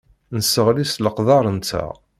Nesseɣli s leqder-nteɣ.